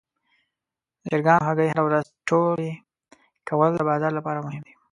د چرګانو هګۍ هره ورځ ټولې کول د بازار لپاره مهم دي.